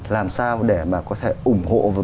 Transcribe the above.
làm sao để mà có thể ủng hộ